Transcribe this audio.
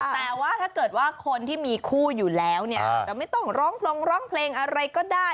แต่ว่าถ้าเกิดว่าคนที่มีคู่อยู่แล้วเนี่ยอาจจะไม่ต้องร้องพรงร้องเพลงอะไรก็ได้